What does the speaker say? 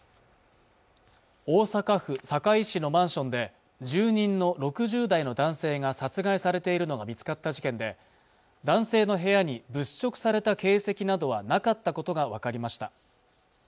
大阪府堺市のマンションで住人の６０代の男性が殺害されているのが見つかった事件で男性の部屋に物色された形跡などはなかったことが分かりました